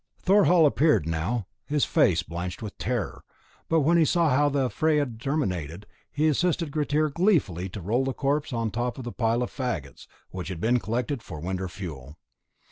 Thorhall appeared now, his face blanched with terror, but when he saw how the fray had terminated he assisted Grettir gleefully to roll the corpse on the top of a pile of faggots, which had been collected for winter fuel.